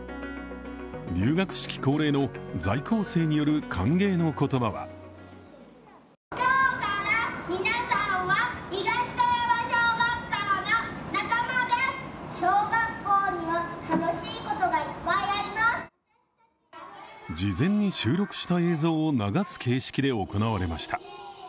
入学式恒例の在校生による歓迎の言葉は事前に収録した映像を流す形式で行われました。